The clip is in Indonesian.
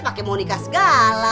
pake mau nikah segala